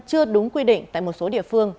chưa đúng quy định tại một số địa phương